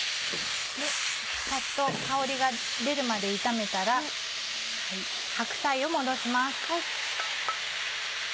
サッと香りが出るまで炒めたら白菜を戻します。